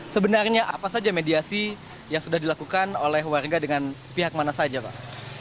sebenarnya apa saja mediasi yang sudah dilakukan oleh warga dengan pihak mana saja pak